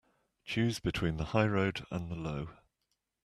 Choose between the high road and the low.